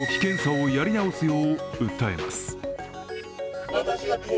呼気検査をやり直すよう訴えます。